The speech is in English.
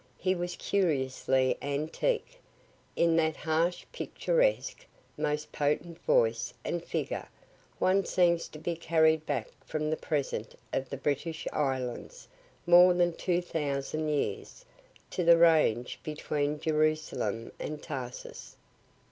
He was curiously antique. In that harsh, picturesque, most potent voice and figure, one seems to be carried back from the present of the British islands more than two thousand years, to the range between Jerusalem and Tarsus.